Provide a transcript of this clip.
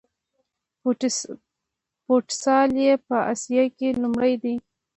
فوټسال یې په اسیا کې لومړی دی.